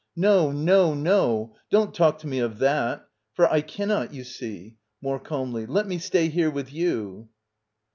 ] No, no, no — don't talk to me of that/ For I cannot, you see! [More calmly.] Let me stay here with you.